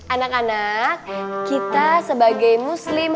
anak anak kita sebagai muslim